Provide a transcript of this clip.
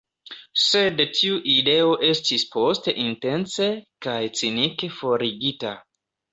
Sed tiu ideo estis poste intence kaj cinike forigita.